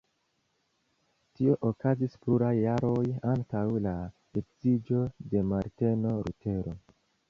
Tio okazis pluraj jaroj antaŭ la edziĝo de Marteno Lutero.